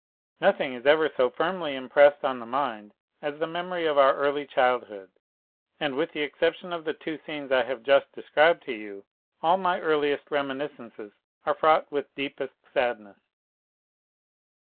"Nothing is ever so firmly impressed on the mind as the memory of our early childhood, and with the exception of the two scenes I have just described to you, all my earliest reminiscences are fraught with deepest sadness."